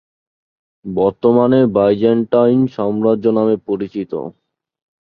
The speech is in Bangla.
বর্তমানে বাইজেন্টাইন সাম্রাজ্য নামে পরিচিত।